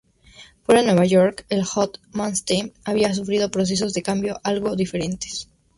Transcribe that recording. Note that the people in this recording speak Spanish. Fuera de Nueva York, el "hot mainstream" había sufrido procesos de cambio algo diferentes.